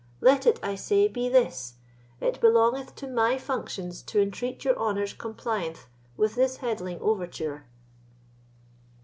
Let it, I say, be this: it belongeth to my functions to entreat your honours' compliance with this headling overture."